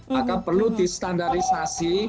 maka perlu di standarisasi